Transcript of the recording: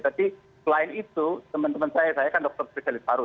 tapi selain itu teman teman saya saya kan dr fisalifaru